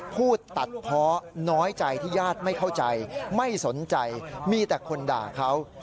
พูดตัดเพาะน้อยใจที่ญาติไม่เข้าใจไม่สนใจมีแต่คนด่าเขา